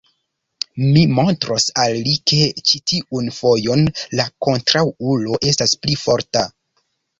Mi montros al li, ke ĉi tiun fojon la kontraŭulo estas pli forta.